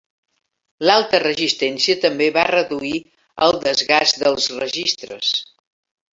L'alta resistència també va reduir el desgast dels registres.